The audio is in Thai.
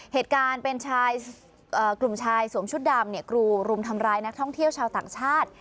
เหตุการณ์เป็นชายกลุ่มชายสวมชุดดำกรูรุมทำร้ายนักท่องเที่ยวชาวต่างชาติ